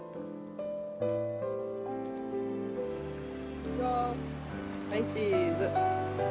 いくよはいチーズ。